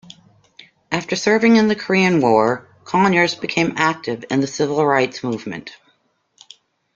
After serving in the Korean War, Conyers became active in the civil rights movement.